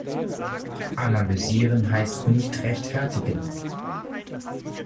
Analysieren heißt nicht rechtfertigen.